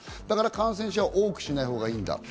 だから感染者を多くしないほうがいいんだ。